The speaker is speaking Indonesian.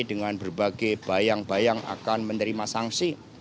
dengan berbagai bayang bayang akan menerima sanksi